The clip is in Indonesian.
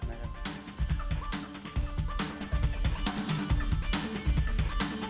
terima kasih banyak